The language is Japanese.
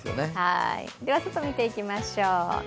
外を見ていきましょう。